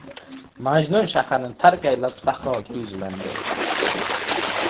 • Majnun shaharni tark aylab sahroga yuzlandi.